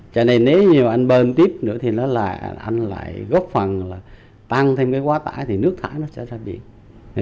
cho nên nếu như anh bơm tiếp nữa thì anh lại góp phần là tăng thêm cái quá tải thì nước thải nó sẽ ra biển